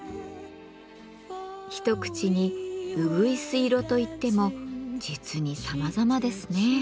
一口にうぐいす色といっても実にさまざまですね。